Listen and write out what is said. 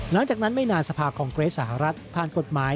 หลังจากนั้นไม่นานสภาคองเกรสสหรัฐผ่านกฎหมาย